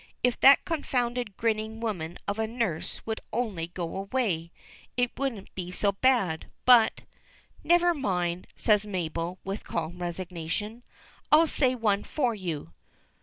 If that confounded grinning woman of a nurse would only go away, it wouldn't be so bad; but "Never mind," says Mabel, with calm resignation. "I'll say one for you."